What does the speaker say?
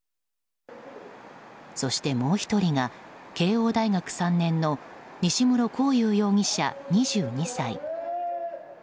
そして、もう１人が慶應大学３年の西室孔裕容疑者、２２歳。